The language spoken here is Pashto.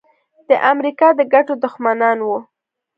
د امریکا د ګټو دښمنان وو.